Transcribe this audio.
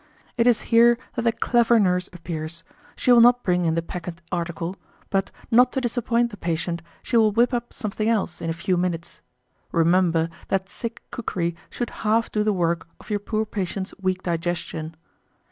It is here that the clever nurse appears, she will not bring in the peccant article; but, not to disappoint the patient, she will whip up something else in a few minutes. Remember, that sick cookery should half do the work of your poor patient's weak digestion.